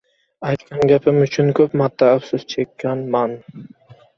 aytgan gapim uchun ko‘p marta afsus chekkanman”.